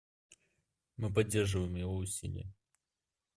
Мы поддерживаем его усилия.